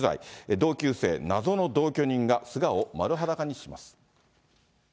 同級生、謎の同居人が素顔を丸裸にします。